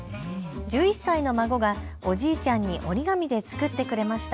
１１歳の孫がおじいちゃんに折り紙で作ってくれました。